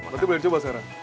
berarti boleh dicoba sekarang